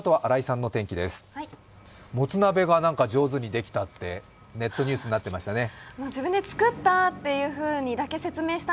もつ鍋が上手にできたとネットニュースで出てましたね。